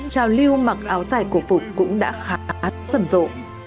trào lưu mặc áo dài cổ phục cũng đã khá sầm rộ